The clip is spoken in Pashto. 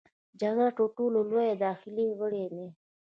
جګر تر ټولو لوی داخلي غړی دی.